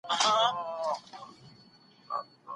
هغوی دي د خپلو چارو لپاره په مشوره مهالويش جوړ کړي.